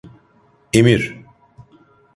Emir…